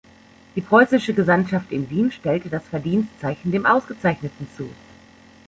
Die preußische Gesandtschaft in Wien stellte das Verdienstzeichen dem Ausgezeichneten zu.